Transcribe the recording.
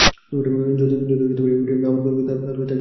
যদি ইউরে আমার খোঁজ করে তাহলে তাকে বলো আমি হোটেলে আছি।